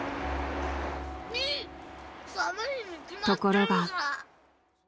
［ところが］